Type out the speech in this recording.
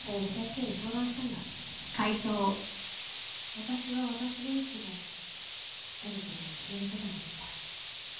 私は私の意思で出ることも消えることもできた。